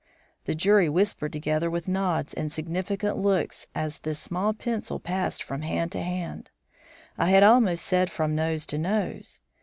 The jury whispered together with nods and significant looks as this small pencil passed from hand to hand I had almost said from nose to nose.